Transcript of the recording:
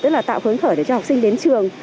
tức là tạo hướng khởi cho học sinh đến trường